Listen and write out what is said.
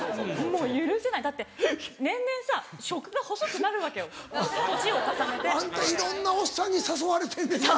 もう許せないだって年々さ食が細くなるわけよ年を重ねて。あんたいろんなおっさんに誘われてんねんな。